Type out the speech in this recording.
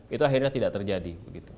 itu akhirnya tidak terjadi